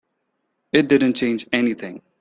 It didn't change anything.